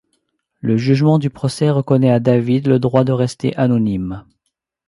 Le jugement du procès reconnaît à David le droit de rester anonyme.